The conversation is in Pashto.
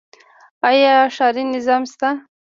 آیا ښاري نظم شته؟